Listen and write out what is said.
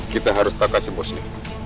kita harus takasin bos nih